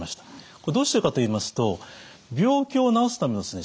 これどうしてかといいますと病気を治すためのですね